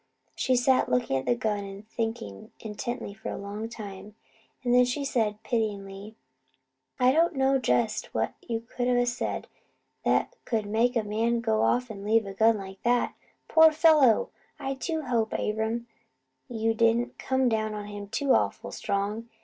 She sat looking at the gun and thinking intently for a long time; and then she said pityingly: "I don't know jest what you could a said 'at 'ud make a man go off an' leave a gun like that. Poor fellow! I do hope, Abram, you didn't come down on him too awful strong.